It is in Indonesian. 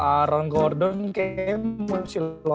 kalau aaron gordon kayaknya mau silveron